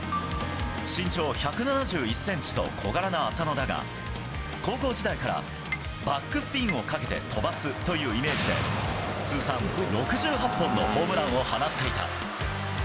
身長１７１センチと小柄な浅野だが、高校時代から、バックスピンをかけて飛ばすというイメージで、通算６８本のホームランを放っていた。